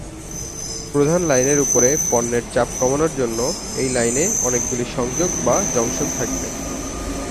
প্রধান লাইনের উপরে পণ্যের চাপ কমানোর জন্য, এই লাইনে অনেকগুলি সংযোগ বা জংশন থাকবে।